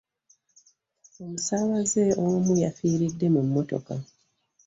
Omusaabaze omu yafiiridde mu mmotoka.